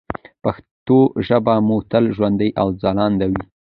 پښتو ژبه مو تل ژوندۍ او ځلانده وي.